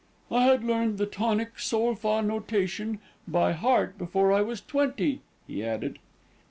"I had learned the Tonic Sol fa notation by heart before I was twenty," he added.